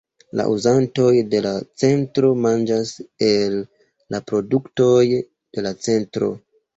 La uzantoj de la centro manĝas el la produktoj de la centro.